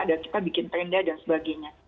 dan kita bikin tenda dan sebagainya